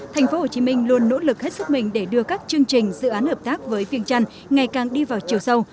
tp hcm luôn nỗ lực hết sức mình để đưa các chương trình dự án hợp tác với viêng trăn ngày càng đi vào chiều sâu